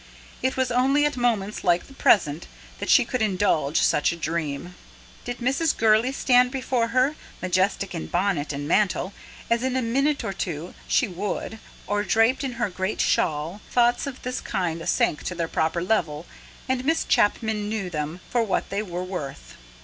It was only at moments like the present that she could indulge such a dream. Did Mrs. Gurley stand before her, majestic in bonnet and mantle, as in a minute or two she would, or draped in her great shawl, thoughts of this kind sank to their proper level, and Miss Chapman knew them for what they were worth.